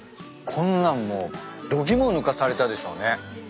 こんなんもう度肝を抜かされたでしょうね。